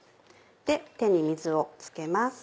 手に水を付けます。